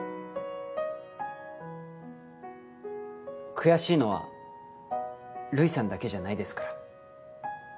悔しいのはルイさんだけじゃないですから。